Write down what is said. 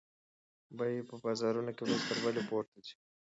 بیې په بازار کې ورځ تر بلې پورته ځي.